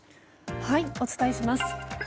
お伝えします。